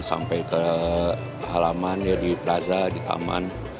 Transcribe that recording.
sampai ke halaman di plaza di taman